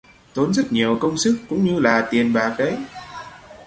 Tốn rất nhiều công sức cũng như là tiền bạc đấy